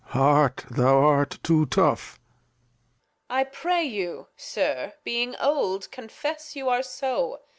Lear. Heart, thou art too tough. Reg. I pray you, Sir, being old, confess you are so.